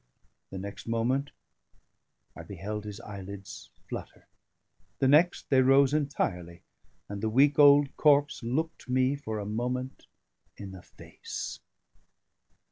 The next moment I beheld his eyelids flutter; the next they rose entirely, and the week old corpse looked me for a moment in the face.